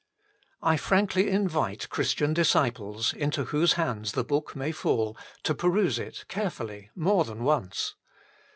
I frankly invite Christian disciples into whose hands the book may fall to peruse it carefully more than once.